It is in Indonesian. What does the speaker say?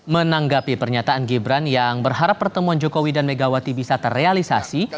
menanggapi pernyataan gibran yang berharap pertemuan jokowi dan megawati bisa terrealisasi